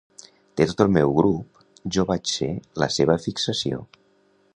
De tot el meu grup, jo vaig ser la seva fixació.